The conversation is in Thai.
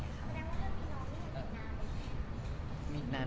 คำแปลว่าคุณพี่น้องมีความรู้สึกนานไหม